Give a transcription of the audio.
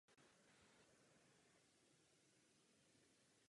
V Severní Americe roste v Kanadě a na Aljašce.